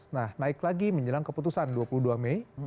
nah naik lagi menjelang keputusan dua puluh dua mei